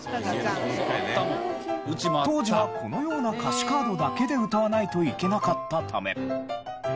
当時はこのような歌詞カードだけで歌わないといけなかったため。